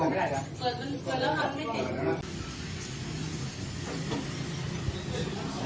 กล้องไม่ได้ครับ